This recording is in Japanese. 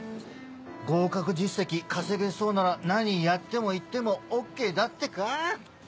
合格実績稼げそうなら何やっても言ってもＯＫだってかぁ？